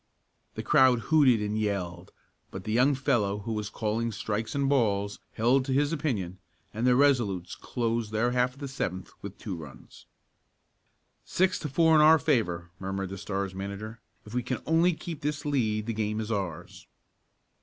The crowd hooted and yelled, but the young fellow who was calling strikes and balls held to his opinion, and the Resolutes closed their half of the seventh with two runs. "Six to four in our favor," murmured the Stars' manager. "If we can only keep this lead the game is ours."